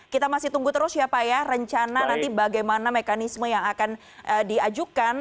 kita masih tunggu terus ya pak ya rencana nanti bagaimana mekanisme yang akan diajukan